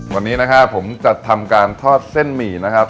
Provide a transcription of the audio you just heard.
วันนี้นะครับผมจะทำการทอดเส้นหมี่นะครับ